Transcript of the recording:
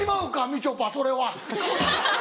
みちょぱそれは。